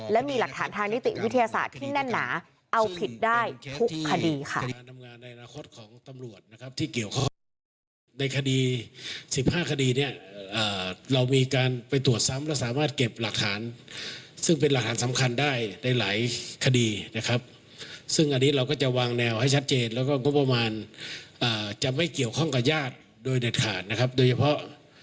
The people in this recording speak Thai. และมีหลักฐานทางนิติวิทยาศาสตร์ที่แน่นหนา